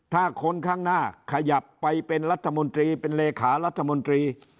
ถ้าคนข้างหน้าขยับไปเป็นรัฐมนตรีเป็นเลขารัฐมนตรี